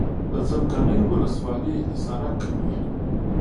د څمکنیو ولسوالي حصارک کلی.